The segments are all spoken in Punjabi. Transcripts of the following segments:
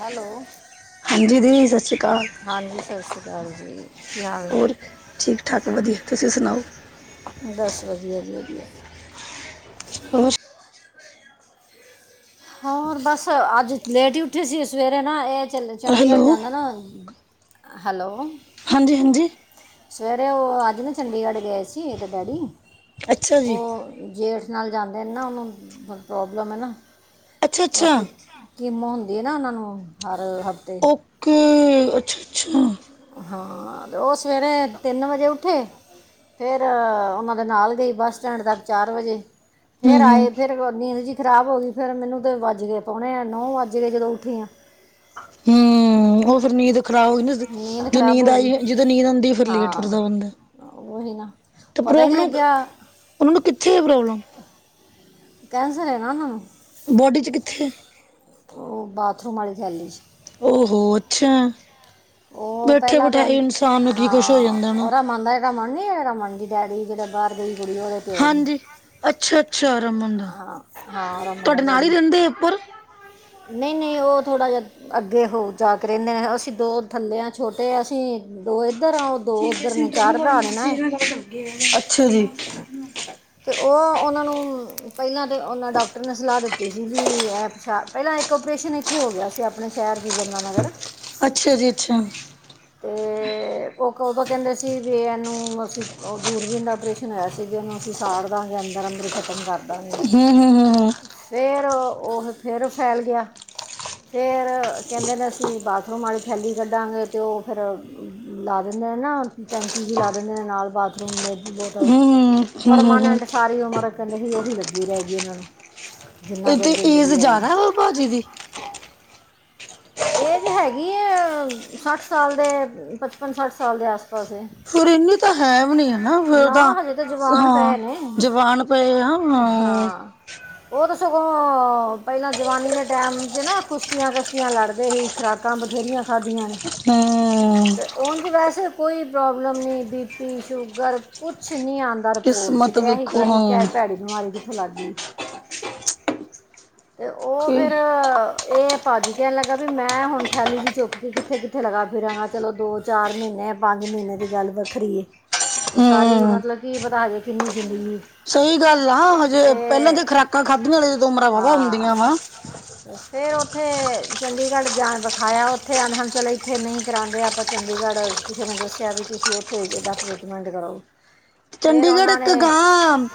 ਹੈਲੋ ਹਾਂਜੀ ਦੀ ਸਤਿ ਸ਼੍ਰੀ ਅਕਾਲ ਹਾਂਜੀ ਸਤਿ ਸ਼੍ਰੀ ਅਕਾਲ, ਜੀ ਕੀ ਹਾਲ ਨੇ? ਹੋ ਠੀਕ-ਠਾਕ ਵਧੀਆ, ਤੁਸੀਂ ਸੁਣਾਓ? ਬਸ ਵਧੀਆ ਜੀ ਵਧੀਆ, ਹੋਰ, ਹੋਰ ਬਸ ਅੱਜ ਲੇਟ ਹੀ ਉੱਠੇ ਸੀ ਸਵੇਰੇ ਨਾ ਇਹ ਚੱਲ ਚੰਡੀਗੜ੍ਹ ਹੈਲੋ ਜਾਂਦਾ ਨਾ ਹੈਲੋ ਹਾਂਜੀ ਹਾਂਜੀ ਸਵੇਰੇ ਉਹ ਅੱਜ ਨਾ ਚੰਡੀਗੜ੍ਹ ਗਏ ਸੀ ਇਹਦੇ ਡੈਡੀ ਅੱਛਾ ਜੀ ਉਹ ਜੇਠ ਨਾਲ ਜਾਂਦੇ ਨੇ ਨਾ ਉਹਨੂੰ ਪ੍ਰੋਬਲਮ ਹੈ ਨਾ ਅੱਛਾ ਅੱਛਾ ਉੱਥੇ ਕਿਮੋ ਹੁੰਦੀ ਹੈ ਨਾ ਉਹਨਾਂ ਨੂੰ ਹਰ ਹਫਤੇ ਓਕੇ ਅੱਛਾ ਅੱਛਾ ਹਾਂ ਤੇ ਉਹ ਸਵੇਰੇ ਤਿੰਨ ਵਜੇ ਉੱਠੇ ਫਿਰ ਉਹਨਾਂ ਦੇ ਨਾਲ ਗਈ ਬੱਸ ਸਟੈਂਡ ਤੱਕ ਚਾਰ ਵਜੇ ਫੇਰ ਹੂੰ ਆਏ ਫਿਰ ਨੀਂਦ ਜਿਹੀ ਖਰਾਬ ਹੋ ਗਈ, ਫਿਰ ਮੈਨੂੰ ਤੇ ਵੱਜ ਗਏ ਪਾਉਣੇ ਨੋ ਵੱਜ ਗਏ ਜਦੋਂ ਉੱਠੀ ਆਂੜ ਹੂੰ, ਉਹ ਫਿਰ ਨੀਂਦ ਖ਼ਰਾਬ ਹੋਈ ਜਦੋਂ ਖਰਾਬ ਨੀਂਦ ਹੋ ਗਈ ਆਈ, ਜਦੋਂ ਨੀਂਦ ਆਦੀ ਫਿਰ ਲੇਟ ਹਾਂ ਉੱਡਦਾ ਬੰਦਾ ਉਹੀ ਨਾ ਤੇ ਪਤਾ ਹੀ ਨਹੀਂ ਪ੍ਰੋਬਲਮ ਲੱਗਿਆ। ਉਹਨਾਂ ਨੂੰ ਕਿੱਥੇ ਹੈ, ਪ੍ਰੋਬਲਮ? ਕੈਂਸਲ ਨਾ ਉਹਨਾਂ ਨੂੰ ਬੋਡੀ ਚ ਕਿੱਥੇ, ਉਹ ਬਾਥਰੂਮ ਵਾਲੀ ਥੇਲੀ ਚ ਹੋੋ ਅੱਛਾ, ਉਹ ਬੈਠੇ ਪਹਿਲਾਂ ਤੇ ਬਿਠਾਏ ਇਨਸਾਨ ਨੂੰ ਕੀ ਕੁਛ ਹੋ ਹਾਂ, ਜਾਂਦਾ ਨਾ ਉਹਦਾ ਮੰਨਦਾ। ਰਮਨ ਨੀ ਐ ਰਮਨ ਦਾ ਡੈਡੀ ਜਿਹੜਾ ਬਾਹਰ, [unintelligible] ਹਾਂਜੀ ਅੱਛਾ-ਅੱਛਾ ਰਮਨ ਦਾ ਹਾਂ ਹਾਂ ਰਮਨ ਦਾ ਤੁਹਾਡੇ ਨਾਲ ਹੀ ਡੈਡੀ ਰਹਿੰਦੇ ਉੱਪਰ ਨਹੀਂ, ਨਹੀਂ ਉਹ ਥੋੜ੍ਹਾ ਜਿਹਾ ਅੱਗੇ ਹੋ ਜਾ ਕੇ, ਰਹਿੰਦੇ ਅਸੀਂ ਦੋ ਥੱਲੇ ਹਾਂ ਛੋਟੇ ਅਸੀਂ। ਦੋ ਇੱਧਰ ਆ ਉਹ ਦੋ ਜੀਕੇ ਉੱਧਰ ਨੇ ਸੈਂਟਰ ਨੂੰ ਚਾਰ ਭਰਾ ਵਾਲੀ ਨੇ ਨਾ, ਸੀ ਨਾਲ ਗੱਲ ਅੱਛਾ ਜੀ, ਅਤੇ ਉਹ ਉਹਨਾਂ ਨੂੰ ਪਹਿਲਾਂ ਤਾਂ ਉਹਨਾਂ ਡਾਕਟਰ ਨੇ ਸਲਾਹ ਦਿੱਤੀ ਸੀ, ਵੀ ਐ ਪਛਾ ਪਹਿਲਾਂ ਇੱਕ ਪਰੇਸ਼ਨ ਇੱਥੇ ਹੋ ਗਿਆ ਸੀ, ਆਪਣੇ ਸ਼ਹਿਰ 'ਚ ਯਮੁਨਾ ਨਗਰ ਅੱਛਾ ਜੀ ਅੱਛਾ ਤੇ, ਤੇ ਉਹ ਉਦੋਂ ਕਹਿੰਦੇ ਸੀ, ਵੀ ਇਹਨੂੰ ਅਸੀਂ ਦੂਰਬੀ ਦਾ ਆਪਰੇਸ਼ਨ ਹੋਇਆ ਸੀ, ਵੀ ਇਹਨੂੰ ਅਸੀਂ ਸਾੜ ਦਾਂਗੇ ਅੰਦਰ-ਅੰਦਰ ਹੀ ਖ਼ਤਮ ਕਰ ਦਾਂਗੇ। ਹੂੰ ਹੂੰ ਹੂੰ ਫੇਰ ਉਹ ਫੇਰ ਫੈਲ ਗਿਆ। ਫੇਰ ਕਹਿੰਦੇ ਨੇ ਅਸੀਂ ਬਾਥਰੂਮ ਵਾਲੀ ਥੈਲੀ ਕੱਢਾਂਗੇ, ਅਤੇ ਉਹ ਫੇਰ ਲਾ ਦਿੰਦੇ ਨੇ ਨਾ ਟੈਂਕੀ ਹੀ ਲਾ ਦਿੰਦੇ ਨੇ, ਨਾਲ ਬਾਥਰੂਮ ਦੇ ਬੋਤਲ ਹੂੰ ਹੂੰ ਹੂੰ ਹੂੰ ਪਰਮਾਨੈਂਟ ਸਾਰੀ ਉਮਰ ਕਹਿੰਦੇ ਸੀ, ਉਹੀ ਲੱਗੀ ਰਹਿ ਗਈ ਉਹਨਾਂ ਨੂੰ ਜਿੰਨਾ ਇਹ ਚਿਰ ਤੇ ਈਜ਼ ਜ਼ਿੰਦਗੀ ਹੈਗੀ ਜ਼ਿਆਦਾ ਵਾ ਭਾਜੀ ਦੀ, ਏਜ ਹੈਗੀ ਹੈ, ਸੱਠ ਸਾਲ ਦੇ ਪਚਪਨ ਸੱਠ ਸਾਲ ਦੇ ਆਸ ਪਾਸ ਫੇਰ, ਤਾਂ ਹੈ ਵੀ ਨੀ ਹੈ, ਫਿਰ ਨਾ ਤਾਂ ਹਜੇ ਜਵਾਨ ਪਏ ਹਾਂ ਨੇ ਜਵਾਨ ਪਏ ਆ। ਹਾਂ ਉਹ ਤਾਂ ਸਗੋਂ ਪਹਿਲਾਂ ਜਵਾਨੀ ਦੇ ਟੈਮ 'ਚ ਨਾ ਕੁਸ਼ਤੀਆਂ ਕਸ਼ਤੀਆਂ ਲੜਦੇ ਸੀ। ਖੁਰਾਕਾਂ ਬਥੇਰੀਆਂ ਖਾਧੀਆਂ ਨੇ, ਹੂੰ ਤੇ ਵੈਸੇ ਕੋਈ ਪ੍ਰੋਬਲਮ ਨਹੀਂ, ਬੀ ਪੀ ਸ਼ੂਗਰ ਅਗਰ ਕੁਛ ਨਹੀਂ ਆਦਾ, ਰਿਪੋਰਟ ਚ ਕਿਸਮਤ ਤੇ ਅਸੀ ਵੇਖੋ ਪਤਾ ਨੀ ਹਾਂ ਭੈੜੀ ਬਿਮਾਰੀ ਕਿੱਥੋਂ ਲੱਗ ਗਈ। ਅਤੇ ਉਹ ਕਿ ਫੇਰ, ਇਹ ਭਾਜੀ ਕਹਿਣ ਲੱਗਾ, ਵੀ ਮੈਂ ਹੁਣ ਥੈਲੀ ਜੀ ਚੁੱਕ ਕੇ ਕਿੱਥੇ ਕਿੱਥੇ ਲਗਾ ਫਿਰਾਂਗਾ ਚਲੋ ਦੋ। ਚਾਰ ਮਹੀਨੇ ਪੰਜ ਮਹੀਨੇ ਦੀ ਗੱਲ ਵੱਖਰੀ, ਤੇ ਸਾਰੀ ਮਤਲਬ ਕਿ, ਪਤਾ ਕਿੰਨੀ ਜ਼ਿੰਦਗੀ। ਸਈ ਗੱਲ ਆ, ਹਜੇ ਪੇਲਾਂ ਅਤੇ ਤਾਂ ਖਰਾਕਾਂ ਖਾਧੀਆਂ ਨੇ, ਜਦੋਂ ਉਮਰਾਂ ਵਾਹਾ ਹੁੰਦੀਆਂ ਵਾ। ਫੇਰ ਔਥੇ ਚੰਡੀਗੜ੍ਹ ਜਾਣ ਵੇਖਾਇਆ ਔਥੇ, ਆਂ ਚਲ ਏਥੇ ਨਈ ਕਰਾਂਦੇ, ਆਪਾਂ ਚੰਡੀਗੜ੍ਹ ਕਿਸੇ ਨੇ ਦੱਸਿਆ ਵੀ, ਤੁਸੀਂ ਔਥੇ ਏਹਦਾ ਟ੍ਰੀਟਮੈਂਟ ਕਰਾਓ। ਚੰਡੀਗੜ੍ਹ ਇੱਕ ਗਾਂ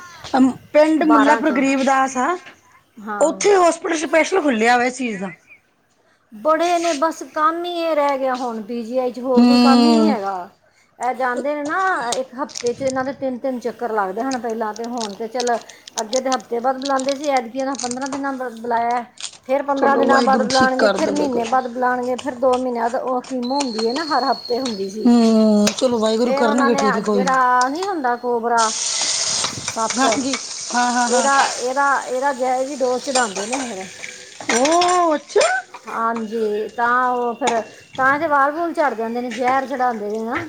ਪਿੰਡ ਮੁਲਾਪੁਰ 'ਚ ਗਰੀਬ ਦਾਸ ਆ। ਹਾਂ ਉੱਥੇ ਹੋਸਪਿਟਲ ਸਪੈਸ਼ਲ ਖੁੱਲਿਆ, ਵਾ ਇਸ ਚੀਜ਼ ਦਾ। ਬੜੇ ਨੇ ਬਸ ਕੰਮ ਹੀ ਇਹ ਰਹਿ ਗਿਆ, ਹੁਣ ਪੀ ਜੀ ਆਈ ਚ ਹੋਰ ਕੋਈ ਕੰਮ ਹੀ ਨਹੀਂ ਹੂੰ, ਹੈਗਾ। ਇਹ ਜਾਂਦੇ ਨੇ ਨਾ ਇੱਕ ਹਫ਼ਤੇ 'ਚ ਇਹਨਾਂ ਦੇ ਤਿੰਨ-ਤਿੰਨ ਚੱਕਰ ਲੱਗਦੇ ਹਨਾ, ਪਹਿਲਾਂ ਤਾਂ ਹੁਣ ਤਾਂ ਚੱਲ ਅੱਗੇ ਤੇ ਹਫ਼ਤੇ ਬਾਅਦ ਬੁਲਾਉਂਦੇ ਸੀ, ਐਦਕੀ ਪੰਦਰਾਂ ਦਿਨਾਂ ਬੁਲਾਇਆ। ਫੇਰ ਪੰਦਰਾਂ ਚਲੋ ਦਿਨਾਂ ਬਾਅਦ ਵਾਹਿਗੁਰੂ ਠੀਕ ਬੁਲਾਉਣਗੇ। ਕਰ ਫਿਰ ਦੇਵੇ ਮਹੀਨੇ ਕੋਈ। ਬਾਅਦ ਬੁਲਾਉਣਗੇ ਫੇਰ ਦੋ ਮਹੀਨਿਆਂ ਤਾਂ ਉਹ ਕੀਮਤ ਹੁੰਦੀ ਹੈ, ਨਾ ਹਰ ਹਫ਼ਤੇ ਹੁੰਦੀ ਸੀ। ਜੀ ਹੂੰ, ਚਲੋ ਵਾਹਿਗੁਰੂ ਫੇਰ ਉਹਨਾਂ ਕਰਨਗੇ ਨੇ ਠੀਕ ਕੋਈ ਨੀ, ਜਿਹੜਾ ਨਹੀਂ ਹੁੰਦਾ ਕੋਬਰਾ ਸੱਤ ਹਾਂਜੀ ਹਾਂ-ਹਾਂ-ਹਾਂ। ਇਹਦਾ ਇਹ, ਏਦਾ, ਏਦਾਂ ਜ ਇਹਦੀ ਡੋਸ ਚੜ੍ਹਾਂਦੇ ਨੇ ਹੁਣ। ਔਹਹ ਅੱਛ ਹਾਂਜੀ, ਤਾਂ ਔਹ ਫਿਰ ਤਾਂ ਈ ਤੇ ਵਾਲ ਵੂਲ ਚੜ ਜਾਂਦੇ ਨੇ, ਜੇਹਰ ਚੜਾਨਦੇ ਨੇ ਨਾ।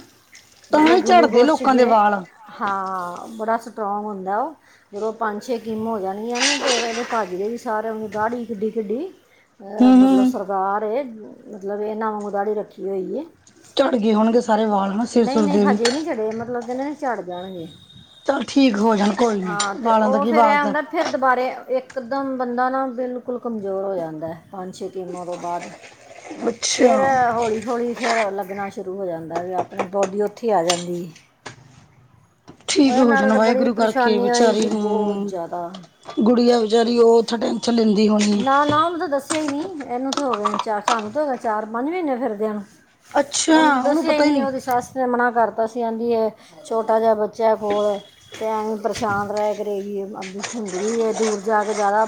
ਤਾਂ ਮਤਲਬ ਹੀ ਝੜਦੇ ਗੁਲੂਕੋਸ ਚ ਲੋਕਾਂ ਦੇ ਜਿਵੇਂ, ਵਾਲ, ਹਾਂ ਬੜਾ ਸਟਰੋਂਗ ਹੁੰਦਾ ਉਹ। ਜਦੋਂ ਪੰਜ ਛੇ ਕਿਮ ਹੋ ਜਾਣ ਗੀਆਂ ਨਾ, ਤੇ ਏਹਦੇ ਭਾਜੀ ਦੇ ਵੀ ਸਾਰਿਆਂ ਵਾਂਗੂ ਦਾੜੀ ਕਿੱਡੀ-ਕਿੱਡੀ ਅਹ ਮਤਲਬ ਹੂੰ-ਹੂੰ। ਸਰਦਾਰ ਐ, ਮਤਲਬ ਏਨ੍ਹਾ ਵਾਂਗੂ ਦਾੜੀ ਰੱਖੀ ਹੋਈ ਏ। ਚਾੜ ਗਏ ਹੋਣਗੇ ਸਾਰੇ ਵਾਲ ਹਨਾ, ਸਿਰ ਸੁਰ ਦੇ ਵੀ। ਚੜੇ, ਮਤਲਬ ਕੇਂਦੇ ਨੇ ਚਾੜ ਜਾਣਗੇ। ਚੱਲ ਠੀਕ ਹੋ ਜਾਣ, ਕੋਈ ਨੀ, ਹਾਂ ਅਤੇ ਵਾਲਾਂ ਦਾ ਉਹ ਕੀ? ਫਿਰ ਵਾਲ ਇਹ ਤਾਂ ਹੁੰਦਾ ਫਿਰ ਦੁਬਾਰੇ ਏਕਦਮ ਬੰਦਾ ਨਾ, ਬਿਲਕੁਲ ਕਮਜ਼ੋਰ ਹੋ ਜਾਂਦਾ ਏ, ਪੰਜ ਛੇ ਕੀਮੋ ਤੋਂ ਬਾਦ, ਫੇਰ ਅੱਛਾ। ਹੌਲੀ-ਹੌਲੀ ਫੇਰ ਲੱਗਣਾ ਸ਼ੁਰੂ ਹੋ ਜਾਂਦਾ ਏ, ਵੇ ਆਪਣੀ ਬੋਡੀ ਉੱਥੇ ਈ ਆ ਜਾਂਦੀ ਐ। ਠੀਕ ਉਹਦੇ ਹੋ ਨਾਲੋ ਜਾਣ ਤੇ ਬੜੀ ਵਾਹਿਗੁਰੂ ਕਰਕੇ ਪਰੇਸ਼ਾਨੀ ਹੋਈ ਸੀ, ਬੋਤ ਜਾਦਾ। ਗੁੜੀਆਂ ਵੇਚਾਰੀ ਔਹ [unintelligible] ਨਾ-ਨਾ ਮਨੂੰ ਤੇ ਦੱਸਿਆ ਈ ਨੀ, ਏਹਨੂੰ ਤੇ ਹੋਗੇ ਨੇ ਚਾਰ, ਸਾਨੂੰ ਤੇ ਹੋ ਗਏ ਚਾਰ, ਪੰਜ ਮੀਨੇ ਫਿਰਦੇਆ ਨੂੰ। ਅੱਛਾ, ਔਨੂੰ ਤੇ ਉਹਨੂੰ ਦੱਸਿਆ ਈ ਪਤਾ ਹੀ ਨੀ, ਔਦੀ ਸਾਸ ਕਿਸੇ ਨੇ ਮਣਾ ਕਰਤਾ ਸੀ ਆਂਦੀ ਏ, ਛੋਟਾ ਜਾਂ ਬੱਚਾ ਏ ਕੋਲ। ਤੇ ਐਵੇਂ ਈ ਪਰੇਸ਼ਾਨ ਰੇਆ ਕਰੇਗੀ, ਆਂਦੀ ਹੁੰਦਿਓ ਈ ਏ, ਦੂਰ ਜਾ ਕੇ ਜਾਦਾ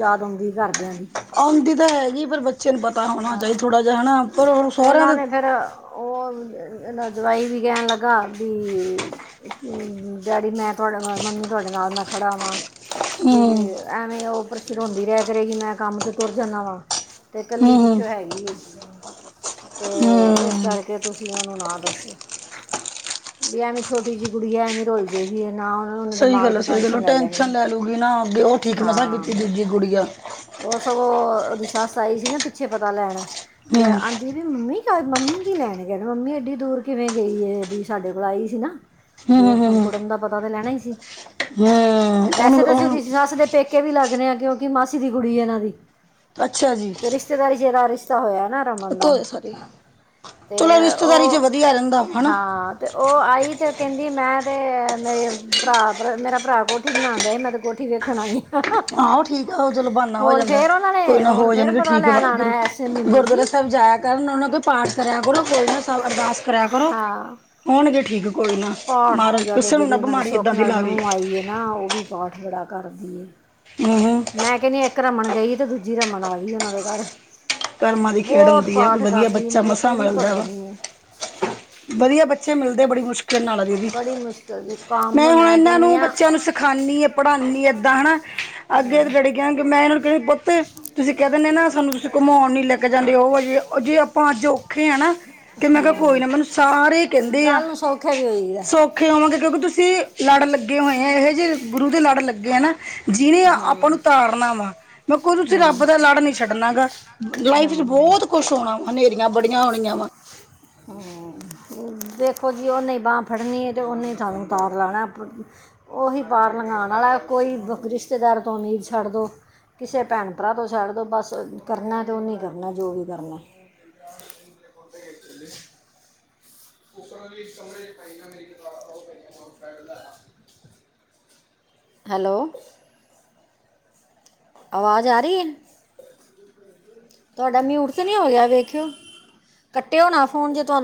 ਯਾਦ ਔਂਦੀ ਘਰਦੇਆਂ ਦੀ। ਔਂਦੀ ਤੇ ਹੈ ਜੀ, ਪਰ ਬੱਚੇ ਨੂੰ ਪਤਾ ਹੋਣਾ ਚਾਈਦਾ ਥੋੜ੍ਹਾ ਜੇਹਾ ਹੈਨਾ, ਪਰ ਔਨੂੰ ਸੋਰੇਆਂ ਦੇ ਫੇਰ ਔਹ ਏਦਾ ਜਵਾਈ ਵੀ ਕਹਿਣ ਲੱਗਾ ਬੀ ਡੈਡੀ ਮੈਂ ਤੁਹਾਡੇ ਨਾ, ਮੰਮੀ ਤੁਹਾਡੇ ਨਾਲ ਮੈਂ ਖੜ੍ਹਾਵਾਂ, ਵੀ ਹੂੰ ਐਵੇਂ ਈ ਔਹ ਪ੍ਰਸ਼ੇ ਰੋਂਦੀ ਰੇਹਾ ਕਰੇਗੀ, ਮੈਂ ਕੰਮ ਤੇ ਤੁਰ ਜਾਨ੍ਹਾਂ ਵਾ, ਤੇ ਕੱਲੀ ਹੂੰ ਹੈ ਈ ਏ, ਤੇ ਇਸ ਹੂੰ ਕਰਕੇ ਤੁਸੀਂ ਔਨੂੰ ਨਾ ਦੱਸੋ। ਵੀ ਐਵੇਂ ਛੋਟੀ ਜੀ ਗੁੜੀਆਂ ਐ, ਐਵੇਂ ਰੁਲ ਜੇਹ ਵੀ ਐ, ਨਾ ਉਹਨੂੰ ਨਾ ਸਹੀ ਦਿਮਾਗ ਗੱਲ ਹੈ ਦੀ ਸਹੀ ਗੱਲ ਹੈ ਟੈਂਸ਼ਨ ਲੈ ਟੈਨਸ਼ਨ ਲੈਣੀ, ਲੈ ਲੂਗੀ ਨਾ ਅੱਗੇ ਉਹ ਠੀਕ ਮਸਾਂ ਕੀਤੀ ਹਾਂ। ਦੂਜੀ ਗੁੜੀਆ ਔਹ ਸਗੋਂ, ਉਹਦੀ ਸਾਸ ਆਈ ਸੀ ਨਾ ਪਿੱਛੇ ਪਤਾ ਲੈਣ, ਤੇ ਹੂੰ ਆਂਦੀ ਵੀ ਮੰਮੀ ਕਾ, ਮੰਮੀ ਕੀ ਲੈਣ ਗਏ ਨੇ? ਮੰਮੀ ਏਡੀ ਦੂਰ ਕਿਵੇਂ ਗਈ ਏ? ਬੀ ਸਾਡੇ ਕੋਲ ਆਈ ਸੀ ਨਾ। ਹੂੰ ਹੂੰ [unintelligible] ਹੂੰ ਕੁੜਮ ਦਾ ਪਤਾ ਤੇ ਲੈਣਾ ਈ ਸੀ। ਹੂੰ ਵੈਸੇ ਉਹਨੂੰ ਤੇ ਅਸੀਂ ਸੀ ਉਹਦੀ ਉਹਨੂੰ ਸ ਸਾਸ ਦੇ ਪੇ ਕੇ ਵੀ ਲੱਗਣੇ ਆ, ਕਿਉਂਕਿ ਮਾਸੀ ਦੀ ਕੁੜੀ ਏ ਏਨ੍ਹਾਂ ਦੀ। ਅੱਛਾ ਜੀ। ਅਤੇ ਰਿਸ਼ਤੇਦਾਰੀ ਚ ਏਦਾਂ ਰਿਸ਼ਤਾ ਹੋਇਆ ਨਾ। ਰਮਨ ਦਾ, ਧੋਏ ਸਾਰੇ ਤੇ ਚਲੋ ਰਿਸ਼ਤੇਦਾਰੀ 'ਚ ਉਹ, ਵਧੀਆ ਰਹਿੰਦਾ ਹਨਾ ਹਾਂ। ਤੇ ਔਹ ਆਈ, ਤੇ ਕੇਂਦੀ ਏ, ਮੈਂ ਤੇ ਮੇ ਪਰਾ ਪ੍ਰ, ਮੇਰਾ ਪਰਾ ਕੋਠੀ ਬਨਾਣ ਡਏ, ਮੈਂ ਤੇ ਕੋਠੀ ਵੇਖਣ ਆਈ ਆ। ਆਹੋ ਠੀਕ ਆ ਉਹ ਚਲੋ ਬਹਾਨਾ ਹੋ ਹੁਣ ਜਾਂਦਾ ਫੇਰ ਉਨ੍ਹਾਂ ਨੇ, ਹੁਣ ਫੇਰ ਪਤਾ ਲੈਣ ਆਣਾ ਏ, ਐਸ ਗੁਰਦਵਾਰੇ ਸਾਹੇਬ ਜਾਇਆ ਕਰਨ, ਉਹਨਾਂ ਤੋਂ ਪਾਠ ਕਰਿਆ ਕਰੋ, ਫੇਰ ਨਾ ਸਭ ਅਰਦਾਸ ਕਰਿਆ ਕਰੋ। ਹਾਂ ਹੋਣਗੇ ਠੀਕ ਕੋਈ ਨਾ ਪਾਠ ਮਹਾਰਾਜ ਪੂਜਾ ਤੇ ਕਿਸੇ ਨੂੰ ਨਾ ਜੇਹੜੀ ਔਨ੍ਹਾਂ ਦੀ ਬਿਮਾਰੀ ਸੁੱਖ ਇਦਾਂ ਨਾਲ ਲਾਵੇ ਨੂੰਹ ਆਈ ਏ ਨਾ, ਔਹ ਵੀ ਪਾਠ ਬੜਾ ਕਰਦੀ ਐ। ਹੂੰ-ਹੂੰ। ਮੈਂ ਕੈਨੀ ਏਕ ਰਮਨ ਗਈ ਏ, ਤੇ ਦੂਜੀ ਰਮਨ ਆਈ ਔਨ੍ਹਾਂ ਦੇ ਕਾਰ। ਕਰਮਾਂ ਦੀ ਖੇਡ ਹੁੰਦੀ ਆ, ਕੋਈ ਵਦੀਆ ਬੱਚਾ ਮਤਲਬ ਮਸਾਂ ਪੂਰੀ ਮਿਲਦਾ ਵਾ। ਭਗਤਣੀ ਹੈ ਵਦੀਆ ਬੱਚੇ ਮਿਲਦੇ ਬੜੀ ਮੁਸ਼ ਕਲ ਨਾਲ ਏ ਦੀਦੀ, ਬੜੀ ਮੁਸ਼ਕਿਲ ਦੀ ਕੰਮ ਮੈਂ ਹੁਣ ਏਨ੍ਹਾਂ ਕਹਿੰਦੀ ਨੂੰ, ਹਾਂ ਬੱਚਿਆਂ ਨੂੰ ਸਿਖਾਣੀ ਏ, ਪੜ੍ਹਾਣੀ ਏ, ਏਦਾਂ ਹਨਾ। ਅੱਗੇ ਏਦੇ ਡੈਡੀ ਕੇਣਗੇ, ਮੈਂ ਏਹਨਾਂ ਨੂੰ ਕੇਂਦੀ ਪੁੱਤ, ਤੁਸੀਂ ਕੇਹ ਦਿੰਦੇ ਨਾ, ਸਾਨੂੰ ਤੁਸੀਂ ਘੁਮੋਣ ਨੀ ਲੈ ਕੇ ਜਾਂਦੇ, ਉਹ ਜੀ ਉਹ ਜੇ ਆਪਾਂ ਅੱਜ ਔਖੇ ਐ ਨਾ ਤੇ ਮੈਂ ਕਿਹਾ ਕੋਈ ਹਾਂ ਨਾ ਮੈਨੂੰ ਸਾਰੇ ਕਹਿੰਦੇ ਆ, ਕੱਲ੍ਹ ਨੂੰ ਸੌਖੇ ਵੀ ਹੋਈਦਾ ਸੋ ਖੇ ਹੋਵਾਂਗੇ ਕਿਉਂਕਿ ਤੁਸੀਂ ਲੜ ਲੱਗੇ ਹੋਏ ਐ, ਇਹ ਜਿਹੇ ਗੁਰੂ ਦੇ ਲੜ ਲੱਗੇ ਐ ਨਾ ਜਿਹਨੇ ਆਪਾਂ ਹਾਂ ਨੂੰ ਤਾਰਨਾ ਵਾ, ਮੈਂ ਕੋਈ ਤੁਸੀਂ ਹਾਂ ਰੱਬ ਦਾ ਲੜ ਨੀ ਛੱਡਣਾ ਗਾ। ਲਾਈਫ ਹਾਂ ਬਹੁਤ ਕੁਛ ਹੋਣਾ ਵਾ, ਹਨੇਰੀਆਂ ਬੜੀਆਂ ਓਣੀਆਂ ਵਾ। ਦੇਖੋ ਜੀ, ਉਹਨੇ ਬਾਂਹ ਫੜਨੀ ਤੇ ਉਹਨੇ ਸਾਨੂੰ ਤਾਰ ਲਾਣਾ ਆ ਉਹੀ ਪਾਰ ਲਾਂਗਾਣ ਵਾਲੇ, ਕੋਈ ਰਿਸ਼ਤੇਦਾਰ ਤੋਂ ਉਮੀਦ ਛੱਡ ਦਿਉ। ਕਿਸੇ ਭੈਣ ਭਰਾ ਤੋਂ ਛੱਡ ਦੋ ਬਸ, ਕਰਨੇ ਤੇ ਉਹਨੇ ਹੀਂ ਕਰਨੇ ਜੋ ਵੀ ਕਰਨੇ। [unintelligible] ਹੈਲੋ ਆਵਾਜ ਆ ਰੀ ਏ? ਤੁਹਾਡਾ ਮਿਊਟ ਤਾਂ ਨਹੀਂ ਹੋ ਗਿਆ? ਵੇਖਿਓ, ਕੱਟਿਓ ਨਾ ਫੋਨ ਜੇ ਤੁਹਾਨੂੰ